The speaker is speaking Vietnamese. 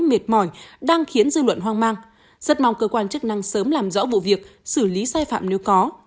mệt mỏi đang khiến dư luận hoang mang rất mong cơ quan chức năng sớm làm rõ vụ việc xử lý sai phạm nếu có